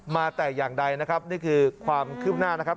แต่อย่างใดนะครับนี่คือความคืบหน้านะครับ